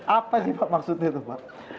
apa sih pak maksudnya